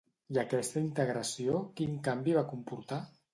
I aquesta integració quin canvi va comportar?